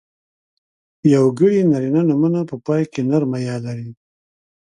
یوګړي نرينه نومونه په پای کې نرمه ی لري.